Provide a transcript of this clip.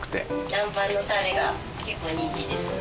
南蛮のたれが結構人気です。